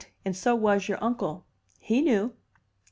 And so was your uncle. He knew.